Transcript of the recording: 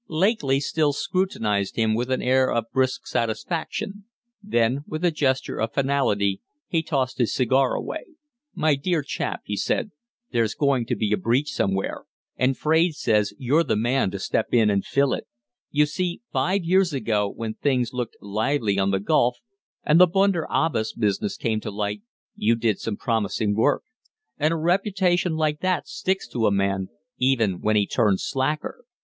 Lakely still scrutinized him with an air of brisk satisfaction; then with a gesture of finality he tossed his cigar away. "My dear chap," he said, "there's going to be a breach somewhere and Fraide says you're the man to step in and fill it! You see, five years ago, when things looked lively on the Gulf and the Bundar Abbas business came to light, you did some promising work; and a reputation like that sticks to a man even when he turns slacker!